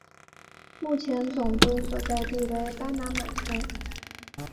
目前总部所在地为巴拿马城。